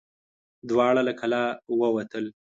دواړه له کلا ووتل.